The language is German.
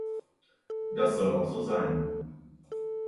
Das soll auch so sein.